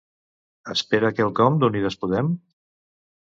Espera quelcom d'Unides Podem?